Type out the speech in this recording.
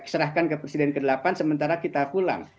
serahkan ke presiden ke delapan sementara kita pulang